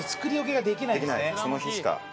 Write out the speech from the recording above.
その日しか。